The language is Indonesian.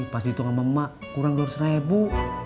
pas dihitung sama emak kurang dua ratus ribu